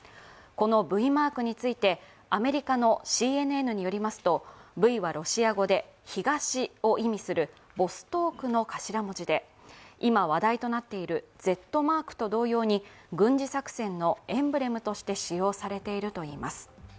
このＶマークについて、アメリカのＣＮＮによりますとＶはメシア語で東を意味するボストークの頭文字で、今、話題となっているＺマークと同様に軍事作戦のエンブレムとして使用されているといいます。